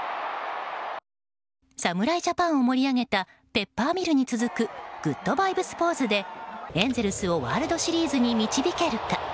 侍ジャパンを盛り上げたペッパーミルに続くグッドバイブスポーズでエンゼルスをワールドシリーズに導けるか。